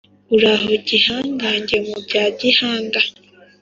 Uraho gihangange mu bya Gihanga?